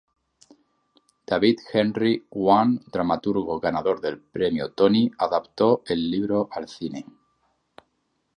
David Henry Hwang, dramaturgo ganador del Premio Tony, adaptó el libro al cine.